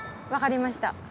分かりました。